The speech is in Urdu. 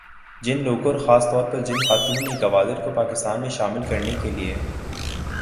جن لوگوں اور خاص طور پر جن خاتون نے گوادر کو پاکستان میں شامل کرنے کے لیے